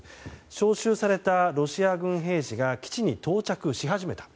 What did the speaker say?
招集されたロシア軍兵士が基地に到着し始めた。